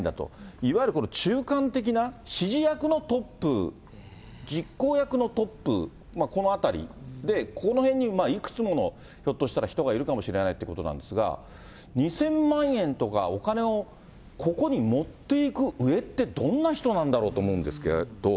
いわゆるこの中間的な指示役のトップ、実行役のトップ、この辺りで、この辺にいくつものひょっとしたら人がいるかもしれないということなんですが、２０００万円とか、お金をここに持っていく上って、どんな人なんだろうと思うんですけど。